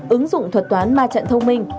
ứng dụng thuật toán ma trận thông minh